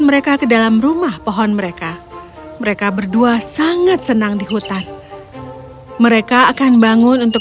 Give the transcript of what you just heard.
mereka ke dalam rumah pohon mereka mereka berdua sangat senang di hutan mereka akan bangun untuk